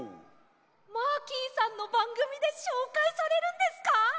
マーキーさんのばんぐみでしょうかいされるんですか！？